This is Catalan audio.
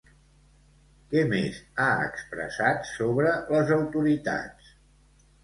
Què més ha expressat sobre les autoritats?